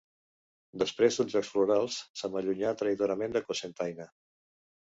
Després dels Jocs Florals se m'allunyà traïdorament de Cocentaina.